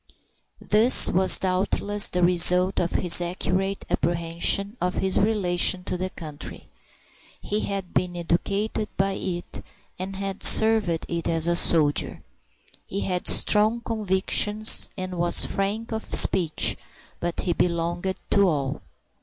This was doubtless the result of his accurate apprehension of his relation to the country. He had been educated by it, and had served it as a soldier. He had strong convictions and was frank of speech, but he belonged to all.